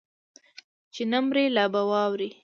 چې نه مرې لا به واورې